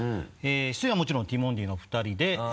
出演はもちろんティモンディのお二人で。